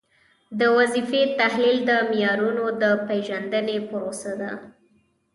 د وظیفې تحلیل د معیارونو د پیژندنې پروسه ده.